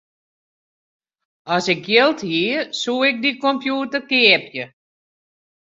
As ik jild hie, soe ik dy kompjûter keapje.